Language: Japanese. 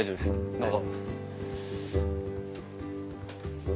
どうぞ。